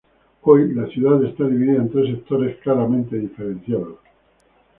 Hoy la ciudad está dividida en tres sectores claramente diferenciados.